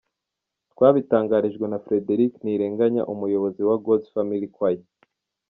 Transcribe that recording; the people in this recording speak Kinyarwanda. twabitangarijwe na Frederic Ntirenganya umuyobozi wa Gods Family Choir,.